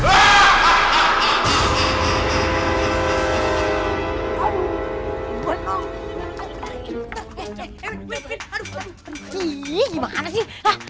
aduh gimana sih